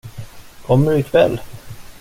Kommer du ikväll?